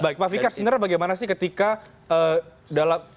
baik pak fikar sebenarnya bagaimana sih ketika dalam